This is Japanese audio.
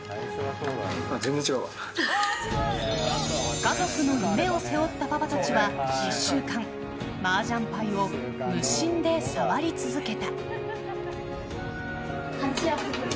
家族の夢を背負ったパパたちは１週間マージャン牌を無心で触り続けた。